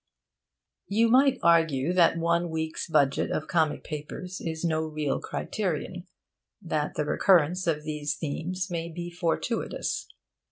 You might argue that one week's budget of comic papers is no real criterion that the recurrence of these themes may be fortuitous.